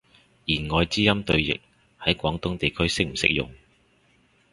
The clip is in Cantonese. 弦外之音對譯，喺廣東地區適唔適用？